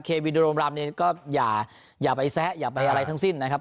เควีดีโรมรัมเนี้ยก็อย่าอย่าไปแซะอย่าไปอะไรทั้งสิ้นนะครับ